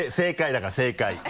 だから正解！